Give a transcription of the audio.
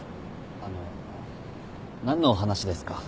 あの何のお話ですか？